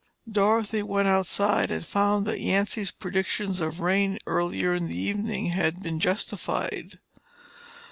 Dorothy went outside and found that Yancy's prediction of rain earlier in the evening had been justified.